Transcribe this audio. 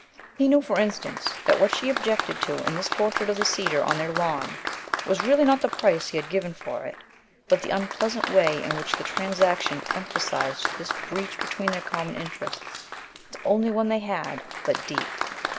He knew, for instance, that what she objected to in this portrait of the cedar on their lawn was really not the price he had given for it, but the unpleasant way in which the transaction emphasized this breach between their common interests the only one they had, but deep.